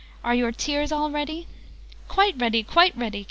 Are your tears all ready?" "Quite ready! Quite ready!"